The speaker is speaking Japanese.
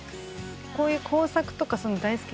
こういう工作とかするの大好き。